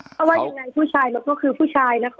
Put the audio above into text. เพราะว่ายังไงผู้ชายมันก็คือผู้ชายนะคะ